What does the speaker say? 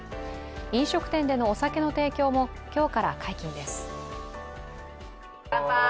飲食店でのお酒の提供も今日から解禁です。